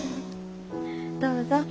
どうぞ。